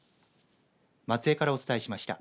松江からお伝えしました。